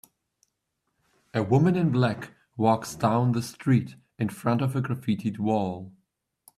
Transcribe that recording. A woman in black walks down the street in front of a graffited wall.